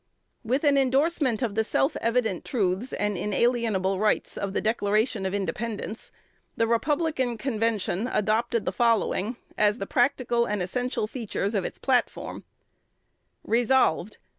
With an indorsement of the "self evident truths" and "inalienable rights" of the Declaration of Independence, the Republican Convention adopted the following as the practical and essential features of its platform: "Resolved